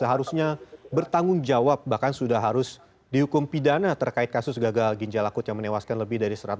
karena ini masih berproses mungkin saja ada pengembangan lebih lanjut